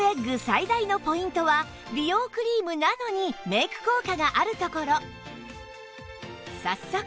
最大のポイントは美容クリームなのにメイク効果があるところ